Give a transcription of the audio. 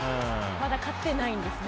まだ勝ってないんですね